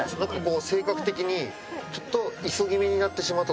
性格的にちょっと。